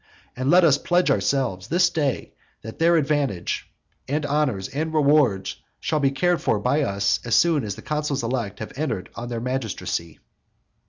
And let us pledge ourselves this day that their advantage, and honours, and rewards shall be cared for by us as soon as the consuls elect have entered on their magistracy.